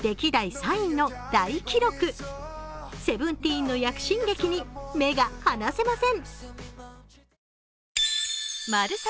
ＳＥＶＥＮＴＥＥＮの躍進劇に目が離せません。